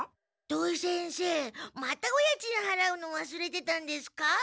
土井先生またお家賃はらうのわすれてたんですか？